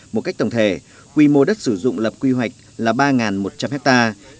một cách tổng thể quy mô đất sử dụng lập quy hoạch là ba một trăm linh hectare